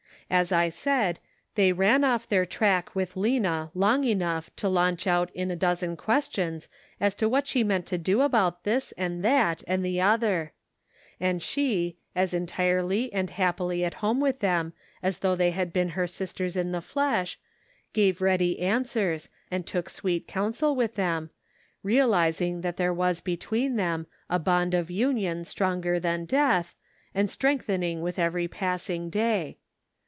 As I said, they ran off their track with Lena long enough to launch out in a dozen questions as to what she meant to do about this, and that, and the other ; and she, as entirely and happily at home with them as though they had been her sisters in the flesh, gave ready answers and took sweet counsel 502 The Pocket Measure. with them, realizing that there was between them a bond of union stronger than death, and strengthening with every passing day.